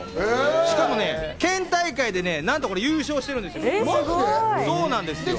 しかも県大会で優勝してるんですよ。